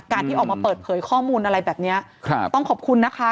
ที่ออกมาเปิดเผยข้อมูลอะไรแบบเนี้ยครับต้องขอบคุณนะคะ